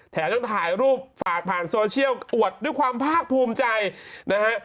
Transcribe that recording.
แถมยังถ่ายรูปฝากผ่านโซเชียลอวดด้วยความภาคภูมิใจนะฮะ